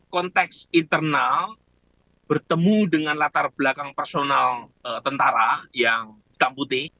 konteks internal bertemu dengan latar belakang personal tentara yang hitam putih